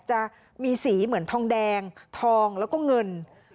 จะมีสีเหมือนทองแดงทองแล้วก็เงิน